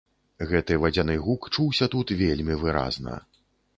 Гэты вадзяны гук чуўся тут вельмі выразна.